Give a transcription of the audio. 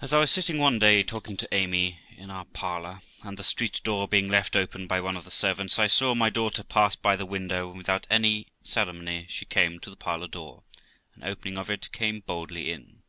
As I was sitting one day, talking to Amy, in our parlour, and the street door being left open by one of the servants, I saw my daughter pass by the window, and without any ceremony she came to the parlour door, and opening of it, came boldly in.